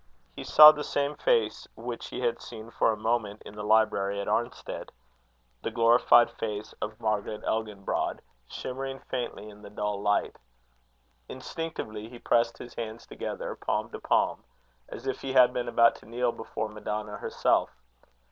He saw the same face which he had seen for a moment in the library at Arnstead the glorified face of Margaret Elginbrod, shimmering faintly in the dull light. Instinctively he pressed his hands together, palm to palm, as if he had been about to kneel before Madonna herself.